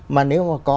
mà nếu mà có